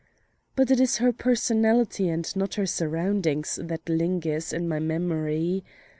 But it is her personality and not her surroundings that lingers in my memory.